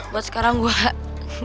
buat sekarang gue